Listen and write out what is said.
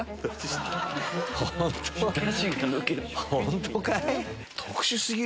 本当かい？